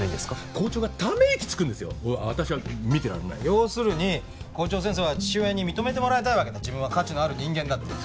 要するに校長先生は父親に認めてもらいたいわけだ自分は価値のある人間だって。